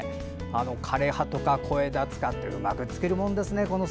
枯れ葉とか小枝使ってうまく作るもんですね。